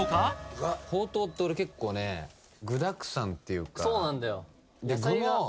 具はほうとうって俺結構ね具だくさんっていうかそうなんだよ